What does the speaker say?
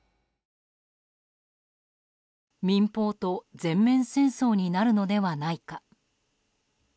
民放と全面戦争になるのではないか。